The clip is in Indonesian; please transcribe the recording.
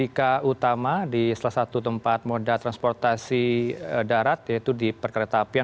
dika utama di salah satu tempat moda transportasi darat yaitu di perkereta apian